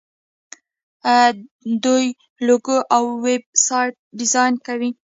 دوی لوګو او ویب سایټ ډیزاین کوي.